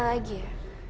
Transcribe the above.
sekali lagi ya